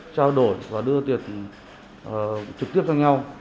trao đổi và đưa tiền trực tiếp cho nhau